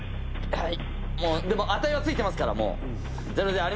はい！